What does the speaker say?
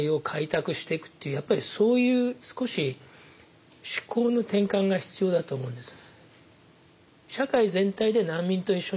やっぱりそういう少し思考の転換が必要だと思うんです。